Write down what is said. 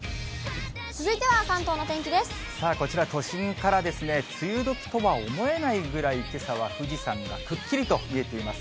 こちら、都心から梅雨時とは思えないぐらいけさは富士山がくっきりと見えています。